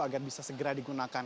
agar bisa segera digunakan